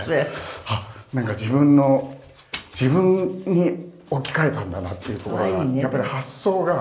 あっなんか自分の自分に置き換えたんだなっていうところがやっぱり発想が。